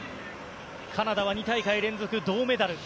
カナダは２大会連続、銅メダル。